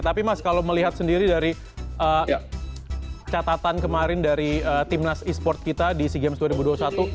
tapi mas kalau melihat sendiri dari catatan kemarin dari timnas e sport kita di sea games dua ribu dua puluh satu